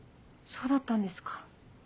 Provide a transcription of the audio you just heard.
そうだったんですか。